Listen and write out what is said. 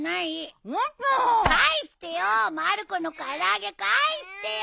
まる子の唐揚げ返してよ！